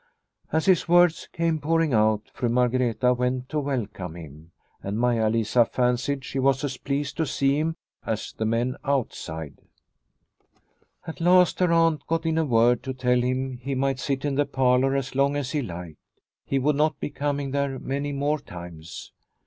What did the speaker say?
As his words came pouring out, Fru Margreta went to welcome him, and Maia Lisa fancied she was as pleased to see him as the men out The Pastor from Finland 147 side. At last her aunt got in a word to tell him he might sit in the parlour as long as he liked. He would not be coming there many more times.